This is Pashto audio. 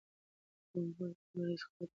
په رګونو کې یې نور هیڅ قوت نه و پاتې.